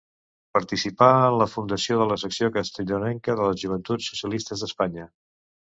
Participà en la fundació de la secció castellonenca de les Joventuts Socialistes d'Espanya.